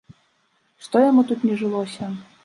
Што яму тут не жылося?